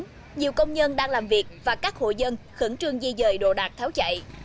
trước đó nhiều công nhân đang làm việc và các hộ dân khẩn trương di dời đồ đạc tháo chạy